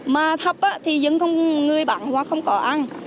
mà thấp thì dân không người bán hoa không có ăn